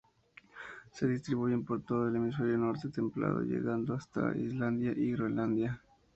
Se distribuyen por todo el hemisferio Norte templado, llegando hasta Islandia y Groenlandia.